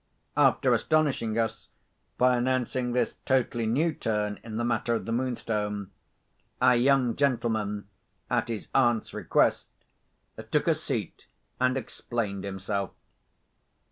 After astonishing us by announcing this totally new turn in the matter of the Moonstone, our young gentleman, at his aunt's request, took a seat, and explained himself.